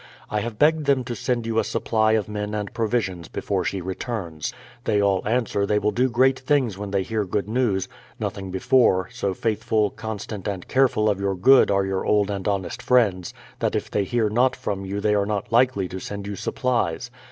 I have begged them to send you a supply of men and provisions be fore she returns. They all answer they will do great things when they hear good news— nothing before, so faithful, constant, and careful of your good are your old and honest friends, that if they hear not from you they are not likely to send you supplies.